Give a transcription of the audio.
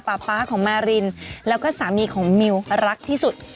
ป๊าของมารินแล้วก็สามีของมิวรักที่สุด